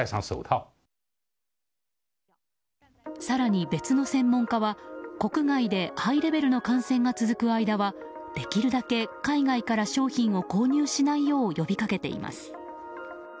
更に別の専門家は、国外でハイレベルの感染が続く間はできるだけ海外から商品を購入しないよう呼びかけています。